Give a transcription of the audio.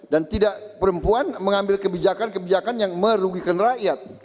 dan tidak perempuan mengambil kebijakan kebijakan yang merugikan rakyat